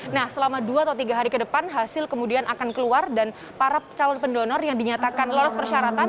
nah selama dua atau tiga hari ke depan hasil kemudian akan keluar dan para calon pendonor yang dinyatakan lolos persyaratan